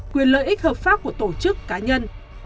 quyền lợi ích hợp pháp của tổ chức cá nhân